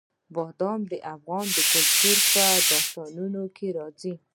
بادام د افغان کلتور په داستانونو کې راځي.